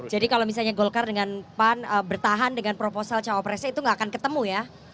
jadi kalau misalnya golkar bertahan dengan proposal cawapresnya itu gak akan ketemu ya